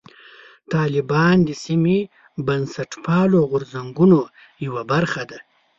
طالبان د سیمې بنسټپالو غورځنګونو یوه برخه ده.